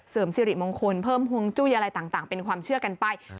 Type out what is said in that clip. สิริมงคลเพิ่มฮวงจุ้ยอะไรต่างเป็นความเชื่อกันไป